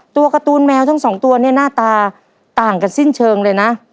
ตัวการ์ตูนแมวทั้งสองตัวเนี่ยหน้าตาต่างกันสิ้นเชิงเลยนะ